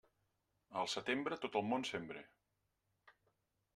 Al setembre, tot el món sembre.